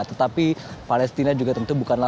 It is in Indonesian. tetapi palestina juga tentu bukanlah